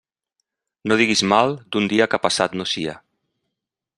No diguis mal d'un dia que passat no sia.